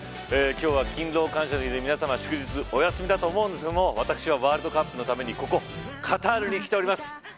今日は勤労感謝の日で皆さま祝日、お休みだと思うんですけど私はワールドカップのためにカタールに来ています。